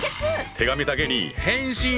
手紙だけに「返信」！